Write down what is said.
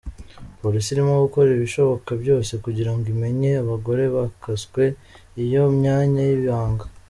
Polisi irimo gukora ibishoboka byose kugira ngo imenye abagore bakaswe iyo myanya y’ibanga.